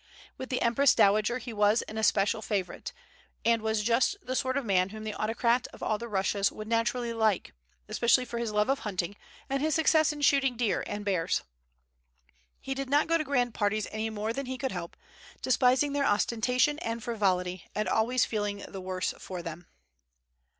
With the empress dowager he was an especial favorite, and was just the sort of man whom the autocrat of all the Russias would naturally like, especially for his love of hunting, and his success in shooting deer and bears. He did not go to grand parties any more than he could help, despising their ostentation and frivolity, and always feeling the worse for them.